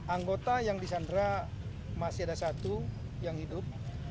anggota yang disandra masih ada satu yang hidup